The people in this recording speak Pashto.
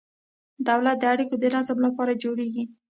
دولت د اړیکو د نظم لپاره جوړیږي.